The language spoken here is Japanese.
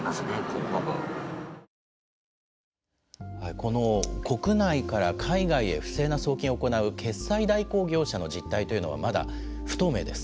この国内から海外へ不正な送金を行う決済代行業者の実態というのはまだ不透明です。